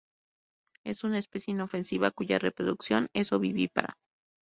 Es una especie inofensiva cuya reproducción es ovovivípara.